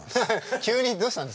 急にどうしたんですか。